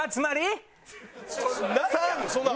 なんなん？